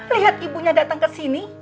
liat ibunya datang kesini